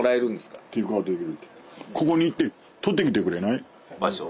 ここに行って取ってきてくれない？